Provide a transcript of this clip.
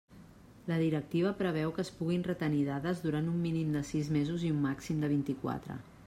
La directiva preveu que es puguin retenir dades durant un mínim de sis mesos i un màxim de vint-i-quatre.